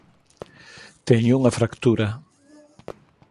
Teño unha fractura.